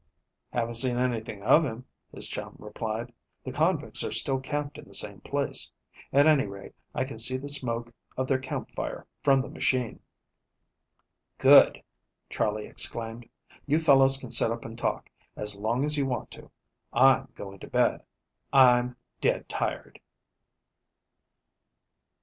"Haven't seen anything of him," his chum replied. "The convicts are still camped in the same place. At any rate I can see the smoke of their campfire from the machine." "Good!" Charley exclaimed. "You fellows can sit up and talk, as long as you want to I'm going to bed. I'm dead tired."